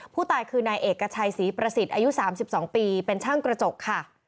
ผู้ตายคือนายเอกชัยศรีประสิทธิ์อายุ๓๒ปีเป็นช่างกระจกค่ะ